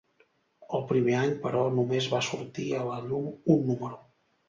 El primer any, però, només va sortir a la llum un número.